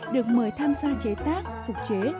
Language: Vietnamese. được mời tham gia chế tác phục chế